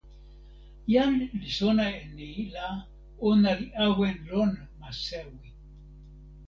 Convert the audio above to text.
jan li sona e ni la ona li awen lon ma sewi.